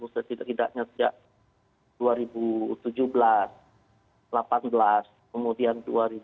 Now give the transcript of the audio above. setidaknya sejak dua ribu tujuh belas dua ribu delapan belas kemudian dua ribu dua puluh